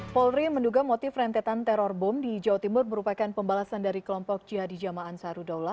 polri menduga motif rentetan teror bom di jawa timur merupakan pembalasan dari kelompok jihadi jamaan sarudaula